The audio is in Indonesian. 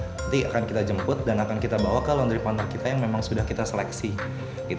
nanti akan kita jemput dan akan kita bawa ke laundry partner kita yang memang sudah kita seleksi